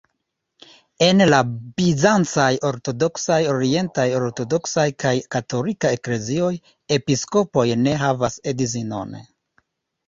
En la bizancaj ortodoksaj, orientaj ortodoksaj kaj katolika eklezioj, episkopoj ne havas edzinon.